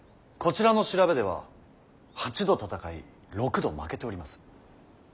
こちらの調べでは８度戦い６度負けております。